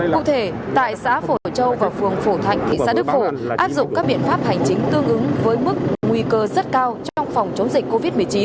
cụ thể tại xã phổ châu và phường phổ thạnh thị xã đức phổ áp dụng các biện pháp hành chính tương ứng với mức nguy cơ rất cao trong phòng chống dịch covid một mươi chín